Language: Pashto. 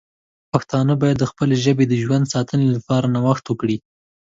پښتانه باید د خپلې ژبې د ژوند ساتنې لپاره نوښت وکړي.